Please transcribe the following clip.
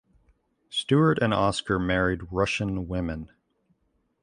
Stuart and Oscar married Russian women.